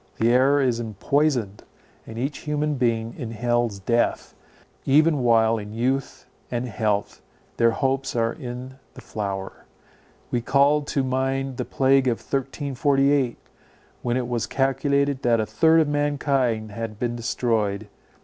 The air is empoisoned, and each human being inhales death, even while in youth and health, their hopes are in the flower. We called to mind the plague of 1348, when it was calculated that a third of mankind had been destroyed.